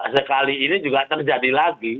sekali ini juga terjadi lagi